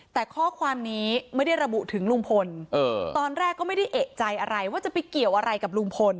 แต่ข้อความนี้ไม่ได้ระบุถึงลุงพลตอนแรกก็ไม่ได้เอกใจอะไรว่าจะไปเกี่ยวอะไรกับลุงพล